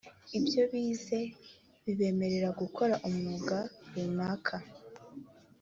ibyobize bibemerera gukora umwuga runaka.